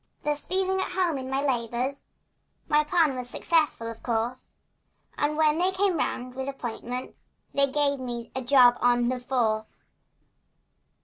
Thus feeling at home in my labors, My plan was successful, of course, And when they came round with appointments They gave me a job on "the force."